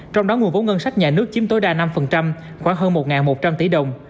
trong đó nguồn vốn ngân sách nhà nước chiếm tối đa năm khoảng hơn một một trăm linh tỷ đồng